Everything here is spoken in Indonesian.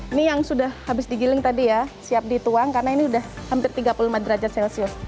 ini yang sudah habis digiling tadi ya siap dituang karena ini sudah hampir tiga puluh lima derajat celcius